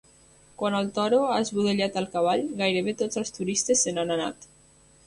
Quan el toro ha esbudellat el cavall, gairebé tots els turistes se n'han anat.